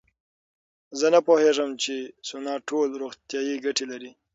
زه نه پوهېږم چې سونا ټول روغتیایي ګټې لري.